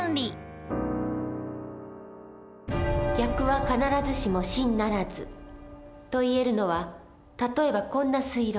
「逆は必ずしも真ならず」。と言えるのは例えばこんな推論。